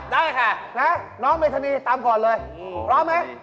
ได้ค่ะนะน้องเมธานีตามก่อนเลยพร้อมไหม